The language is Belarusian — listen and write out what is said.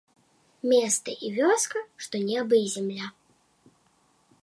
Места і вёска, што неба і зямля.